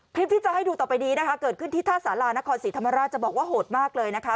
คลิปที่จะให้ดูต่อไปนี้นะคะเกิดขึ้นที่ท่าสารานครศรีธรรมราชจะบอกว่าโหดมากเลยนะคะ